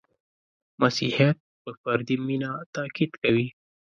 • مسیحیت په فردي مینه تأکید کوي.